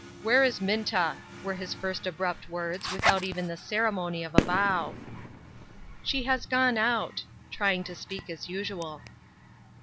" Where is Minta ?" were his first abrupt words, without even the ceremony of a bow. "She has gone out, " trying to speak as usual.